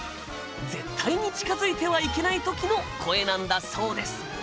絶対に近づいてはいけない時の声なんだそうです。